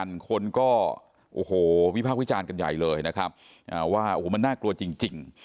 แต่บางคนก็โหวิพากต์วิจารณ์กันใหญ่เลยนะครับว่ามันน่ากลัวจริง